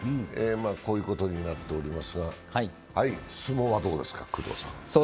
こういうことになっておりますが、工藤さん、相撲はどうですか？